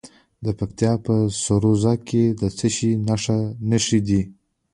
د پکتیکا په سروضه کې د څه شي نښې دي؟